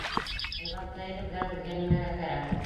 Ҡыйбатлы әйберҙәр беҙгә нимәгә кәрәк?